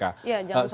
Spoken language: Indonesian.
ya jangan sampai